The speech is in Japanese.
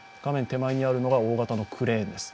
手前にあるのが大型のクレーンです。